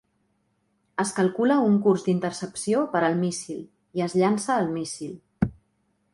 Es calcula un curs d'intercepció per al míssil i es llança el míssil.